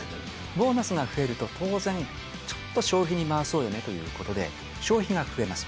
ボーナスが増えると、当然、ちょっと消費に回そうよねということで、消費が増えます。